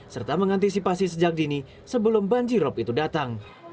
serta mengantisipasi sejak dini sebelum banjirop itu datang